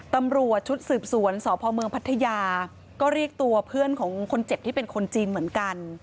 ตำรวจชุดสืบสวนสพเมืองพัทยาก็เรียกตัวเพื่อนของคนเจ็บที่เป็นคนจีนเหมือนกัน